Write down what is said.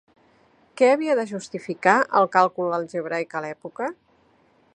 Què havia de justificar el càlcul algebraic a l'època?